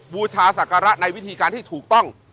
บูชาศักระในวิธีการที่ถูกต้อง